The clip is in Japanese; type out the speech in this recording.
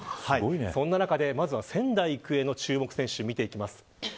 そんな中でまずは仙台育英の注目選手です。